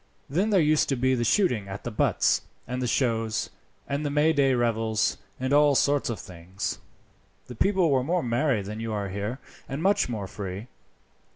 Then there used to be the shooting at the butts, and the shows, and the Mayday revels, and all sorts of things. The people were more merry than you are here, and much more free.